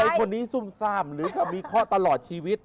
ใยคนนี้ซุ่มซ่ามหรือมีข้อตลอดชีวิต